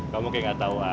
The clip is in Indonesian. kau mungkin gak tau lah